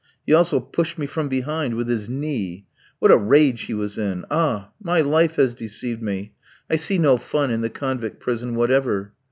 He also pushed me from behind with his knee. What a rage he was in! Ah! my life has deceived me. I see no fun in the convict prison whatever."